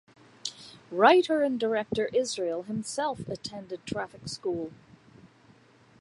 Writer and director Israel himself attended traffic school.